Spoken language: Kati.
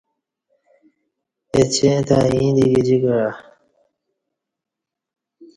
اچی تہ ایں دی گجی کعہ